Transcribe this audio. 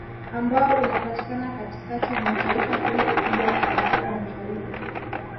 Ambao unapatikana Katikati mwa taifa hilo kubwa kwa Afrika Mashariki